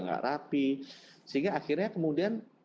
nggak rapi sehingga akhirnya kemudian